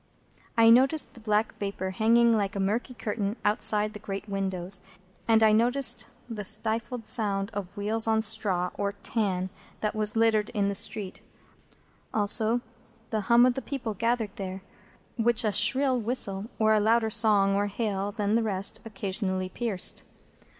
I noticed the black vapour hanging like a murky curtain outside the great windows, and I noticed the stifled sound of wheels on the straw or tan that was littered in the street; also, the hum of the people gathered there, which a shrill whistle, or a louder song or hail than the rest, occasionally pierced.